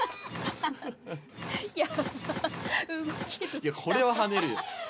いやこれは跳ねるよ。